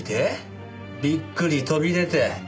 びっくり飛び出て。